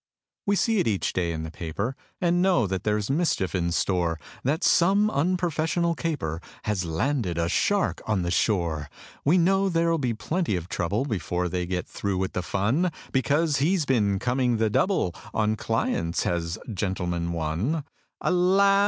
We see it each day in the paper, And know that there's mischief in store; That some unprofessional caper Has landed a shark on the shore. We know there'll be plenty of trouble Before they get through with the fun, Because he's been coming the double On clients, has "Gentleman, One". Alas!